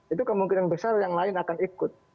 itu kemungkinan besar yang lain akan ikut